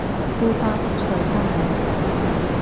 都得，隨得你